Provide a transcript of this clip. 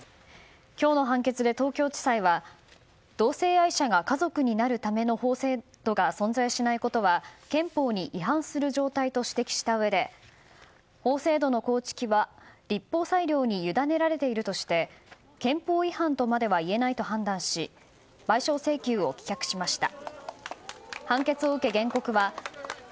今日の判決で東京地裁は同性愛者が家族になるための法制度が存在しないことは憲法に違反する状態と指摘したうえで法制度の構築は立法裁量にゆだねられているとして憲法違反とまではいえないと判断し賠償請求を棄却しました。